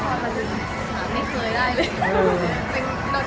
ความสุขที่หนูอยากได้